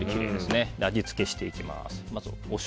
味付けをしていきます。